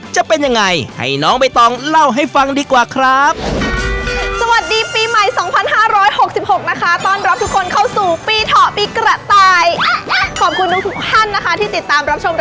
จะเป็นยังไงให้น้องใบตองเล่าให้ฟังดีกว่าครับ